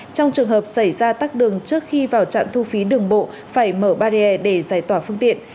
trong trường hợp xảy ra tắc đường trước khi vào trạm thu phí đường bộ phải mở barrier để giải tỏa phương tiện